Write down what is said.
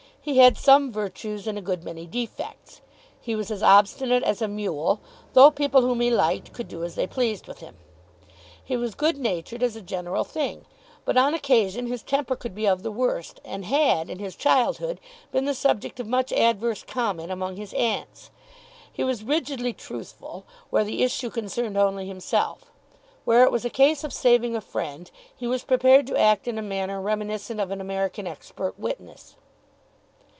He had some virtues and a good many defects. He was as obstinate as a mule, though people whom he liked could do as they pleased with him. He was good natured as a general thing, but on occasion his temper could be of the worst, and had, in his childhood, been the subject of much adverse comment among his aunts. He was rigidly truthful, where the issue concerned only himself. Where it was a case of saving a friend, he was prepared to act in a manner reminiscent of an American expert witness.